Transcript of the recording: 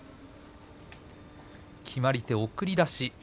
決まり手は送り出しです。